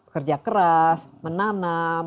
kerja keras menanam